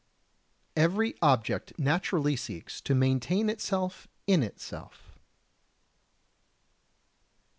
Every object naturally seeks to maintain itself in itself.